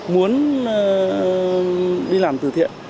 muốn đi làm từ thiện